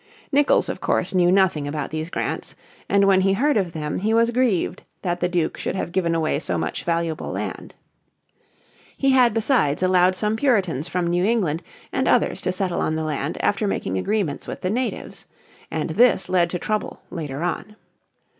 Nicholls of course knew nothing about these grants, and when he heard of them he was grieved that the Duke should have given away so much valuable land. He had besides allowed some Puritans from New England and others to settle on the land after making agreements with the natives. And this led to trouble later on.